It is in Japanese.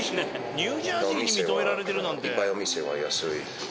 ニュージャージーに認められてるなんて。